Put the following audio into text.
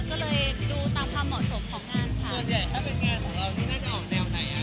ก็เลยดูตามความเหมาะสมของงานค่ะ